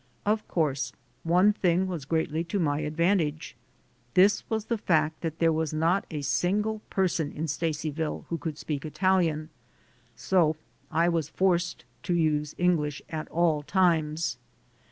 Of course one thing was greatly to my advantage. This was the fact that there was not a single person in Stacyville who could speak Italian, so I was forced to use English at all times.